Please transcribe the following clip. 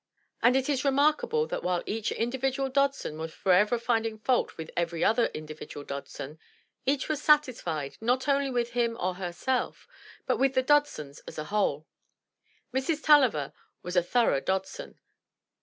And it is remarkable that while each individual Dodson was forever finding fault with every other individual Dodson, each was satisfied, not only with him or her self, but with the Dodsons as a whole. Mrs. Tulliver was a thorough Dodson.